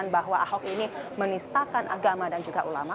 bahwa ahok ini menistakan agama dan juga ulama